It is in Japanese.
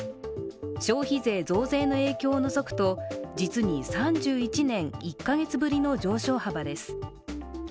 消費税増税の影響を除くと、実に３１年１か月ぶりの上昇幅です。